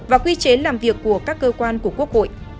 và quy chế làm việc của các cơ quan của quốc hội